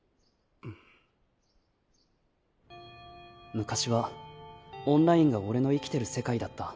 昔はオンラインが俺の生きてる世界だった